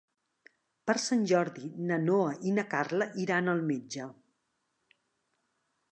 Per Sant Jordi na Noa i na Carla iran al metge.